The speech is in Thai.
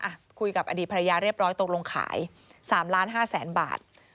อ่ะคุยกับอดีตภรรยาเรียบร้อยตกลงขาย๓๕๐๐๐๐๐บาท